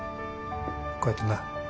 こうやってな。